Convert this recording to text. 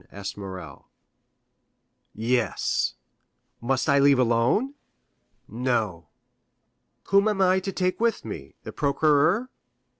asked Morrel. "Yes." "Must I leave alone?" "No." "Whom am I to take with me? The procureur?"